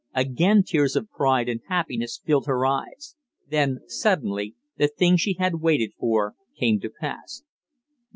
Again tears of pride and happiness filled her eyes. Then suddenly the thing she had waited for came to pass.